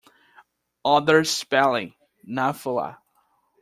"Other spelling": Naphula.